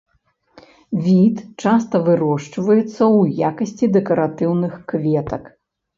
Від часта вырошчваецца ў якасці дэкаратыўных кветак.